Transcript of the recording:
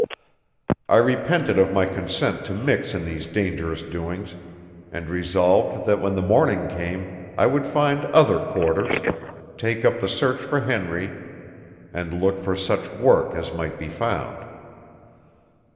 I repented of my consent to mix in these dangerous doings and resolved that when the morning came I would find other quarters, take up the search for Henry, and look for such work as might be found.